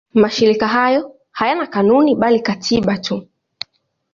Mashirika hayo hayana kanuni bali katiba tu.